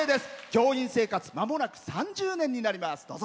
教員生活まもなく３０年になります。